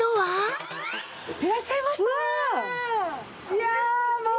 いやもう。